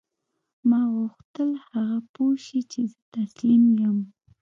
ما غوښتل هغه پوه شي چې زه تسلیم یم